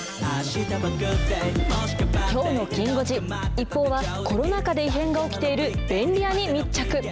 きょうのきん５時、ＩＰＰＯＵは、コロナ禍で異変が起きている便利屋に密着。